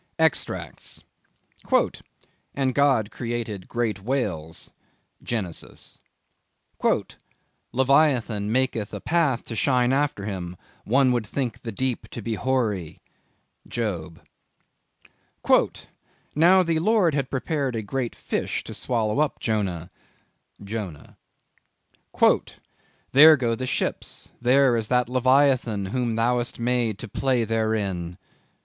EXTRACTS. "And God created great whales." —Genesis. "Leviathan maketh a path to shine after him; One would think the deep to be hoary." —Job. "Now the Lord had prepared a great fish to swallow up Jonah." —Jonah. "There go the ships; there is that Leviathan whom thou hast made to play therein."